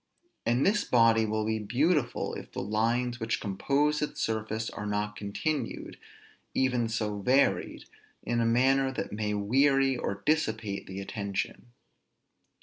And this body will be beautiful if the lines which compose its surface are not continued, even so varied, in a manner that may weary or dissipate the attention.